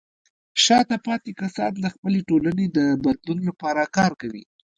شاته پاتې کسان د خپلې ټولنې د بدلون لپاره کار کوي.